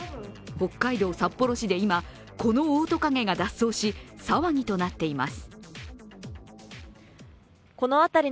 北海道札幌市で今このオオトカゲが脱走し騒ぎとなっています。